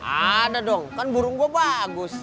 ada dong kan burung gue bagus